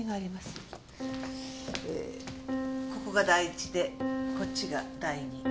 ここで第一でこっちが第二。